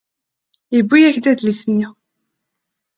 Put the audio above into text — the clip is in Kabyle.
Yewwi-yak-d adlis-nni.